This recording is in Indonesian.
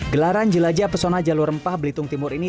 gelaran jelajah pesona jalur rempah belitung timur ini